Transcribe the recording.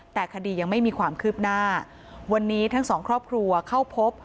แต่คดียังไม่มีความคืบหน้าวันนี้ทั้งสองครอบครัวเข้าพบ